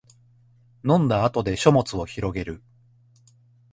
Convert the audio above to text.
飲んだ後で書物をひろげる